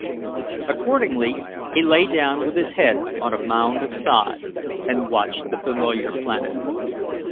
Accordingly, he lay down with his head on a mound of sod, and watched the familiar planet.